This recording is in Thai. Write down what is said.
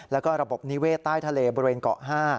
แล้วก็ระบบนิเวศใต้ทะเลบริเวณเกาะ๕